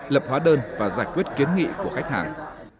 lập hóa đơn và giải quyết kiến nghị của khách hàng